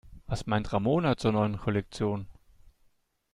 Was meint Ramona zur neuen Kollektion?